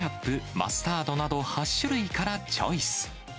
ソースはケチャップ、マスタードなど８種類からチョイス。